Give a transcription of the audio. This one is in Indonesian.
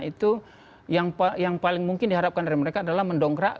itu yang paling mungkin diharapkan dari mereka adalah mendongkrak